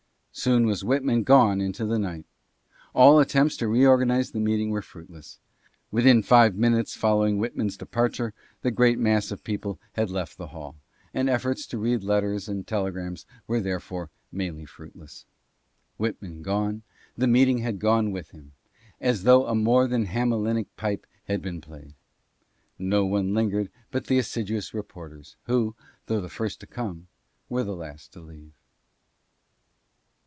Soon was Whitman gone into the night. All attempts to reorganize the meeting were fruitless. Within five minutes following Whitman's departure the great mass of people had left the hall, and efforts to read letters and telegrams were therefore mainly fruitless. Whitman gone, the meeting had gone w T ith him, as though a more than Hamelinic pipe had been played. No one lingered but the assiduous re porters, who, though the first to come, were the last to leave.